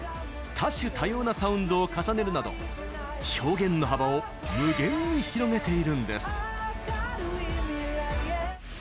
多種多様なサウンドを重ねるなど表現の幅を無限に広げているんです。